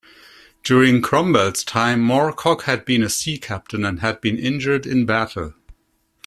During Cromwell's time Morecock had been a sea-captain and had been injured in battle.